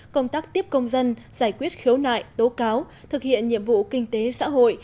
công tác tiếp công dân giải quyết khiếu nại tố cáo thực hiện nhiệm vụ kinh tế xã hội